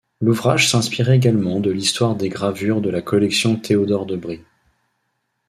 L'ouvrage s'inspire également de l'histoire des gravures de la Collection Théodore de Bry.